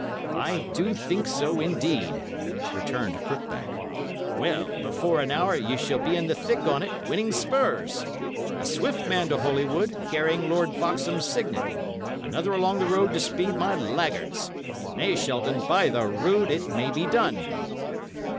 "I do think so indeed," returned Crookback. "Well, before an hour, ye shall be in the thick on't, winning spurs. A swift man to Holywood, carrying Lord Foxham's signet; another along the road to speed my laggards! Nay, Shelton, by the rood, it may be done!"